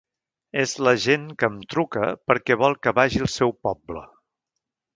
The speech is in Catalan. És la gent que em truca perquè vol que vagi al seu poble.